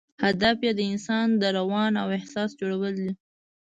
هدف یې د انسان د روان او احساس جوړول دي.